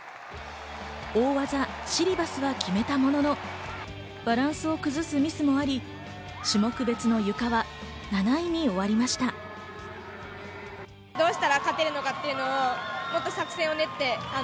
大技・シリバスは決めたもののバランスを崩すミスもあり、種目別のゆかは７位に終わりました。